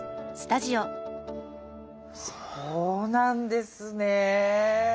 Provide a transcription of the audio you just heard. そうなんですね。